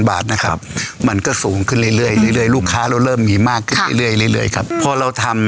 ๕๕๐๐๐บาทน่ะครับมันก็สูงที่เรื่อยรู้ข้าร่วมมีมากขึ้นเรื่อยเรื่อยครับพอเราทำ